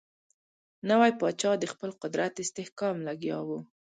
نوی پاچا د خپل قدرت استحکام لګیا وو.